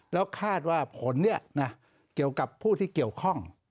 แล้วคาดว่าผลเกี่ยวกับผู้ที่เกี่ยวข้อง